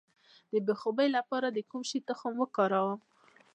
د بې خوبۍ لپاره د کوم شي تخم وکاروم؟